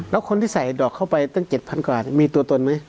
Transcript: แล้วคนที่ใส่ดอกเข้าไปตั้ง๗๐๐กว่ามีตัวตนไหม